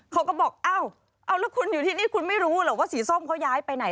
เขาก็บอกเอ้าเอาแล้วคุณอยู่ที่นี่คุณไม่รู้เหรอว่าสีส้มเขาย้ายไปไหน